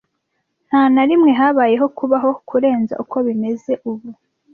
Nta na rimwe habayeho kubaho kurenza uko bimeze ubu,